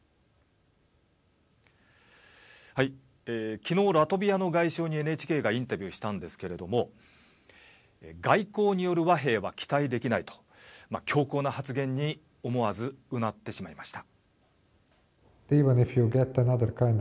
昨日、ラトビアの外相にＮＨＫがインタビューしたんですけれども外交による和平は期待できないと強硬な発言に思わずうなってしまいました。